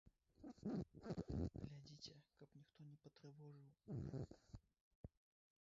Глядзіце, каб ніхто не патрывожыў!